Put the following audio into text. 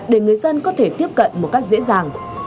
để người dân có thể tiếp cận một cách dễ dàng